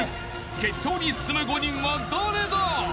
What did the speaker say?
［決勝に進む５人は誰だ？］